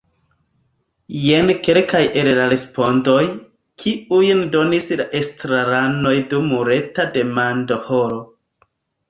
Jen kelkaj el la respondoj, kiujn donis la estraranoj dum reta demandohoro.